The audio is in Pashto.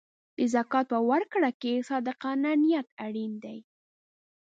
د زکات په ورکړه کې صادقانه نیت اړین دی.